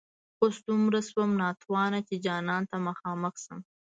اوس دومره شوم ناتوانه چي جانان ته مخامخ شم